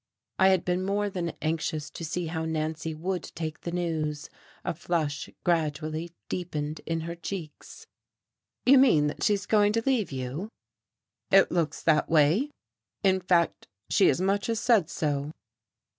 I had been more than anxious to see how Nancy would take the news. A flush gradually deepened in her cheeks. "You mean that she is going to leave you?" "It looks that way. In fact, she as much as said so."